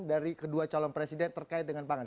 dari kedua calon presiden terkait dengan pangan